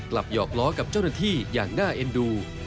หยอกล้อกับเจ้าหน้าที่อย่างน่าเอ็นดู